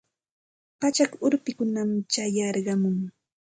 Pachak urpikunam chayarqamun.